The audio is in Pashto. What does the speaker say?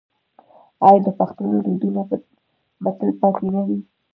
آیا د پښتنو دودونه به تل پاتې نه وي؟